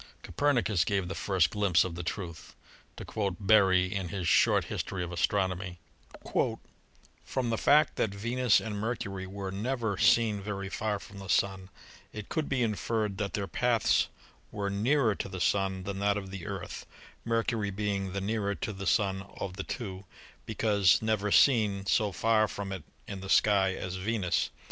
Copernicus gave the first glimpse of the truth. To quote Berry in his "Short History of Astronomy": "From the fact that Venus and Mercury were never seen very far from the Sun, it could be inferred that their paths were nearer to the Sun than that of the Earth, Mercury being the nearer to the Sun of the two, because never seen so far from it in the sky as Venus.